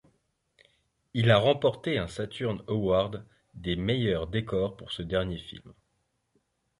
Il a remporté un Saturn Award des meilleurs décors pour ce dernier film.